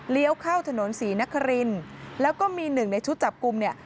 เข้าถนนศรีนครินแล้วก็มีหนึ่งในชุดจับกลุ่มเนี่ย